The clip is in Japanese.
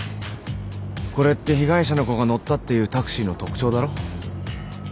これって被害者の子が乗ったっていうタクシーの特徴だろ？